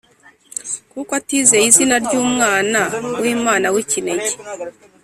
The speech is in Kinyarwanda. kuko atizeye izina ry’Umwana w’Imana w’ikinege